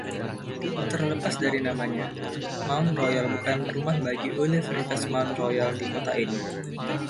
Terlepas dari namanya, Mount Royal bukan rumah bagi Universitas Mount Royal di kota ini.